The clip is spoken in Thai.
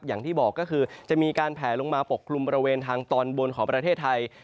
อย่างที่บอกก็คือจะมีการแผลลงมาปกกลุ่มบริเวณทางตอนบนของประเทศไทย